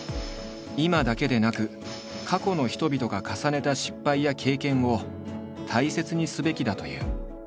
今だけでなく過去の人々が重ねた失敗や経験を大切にすべきだという。